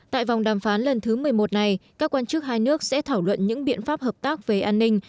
tại vòng đàm phán lần thứ một mươi một này các quan chức hai nước sẽ thảo luận những biện pháp hợp tác về an ninh